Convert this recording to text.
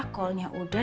kol nya udah